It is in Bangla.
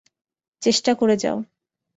চেষ্টা করে যাও!